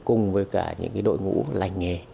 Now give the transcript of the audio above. cùng với cả những cái đội ngũ lành nghề